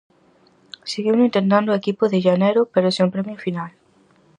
Seguiuno intentando o equipo de Llanero pero sen premio final.